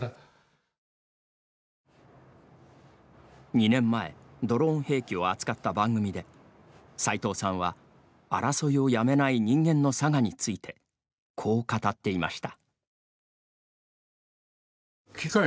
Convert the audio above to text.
２年前ドローン兵器を扱った番組でさいとうさんは、争いをやめない「人間の性」についてこう語っていました。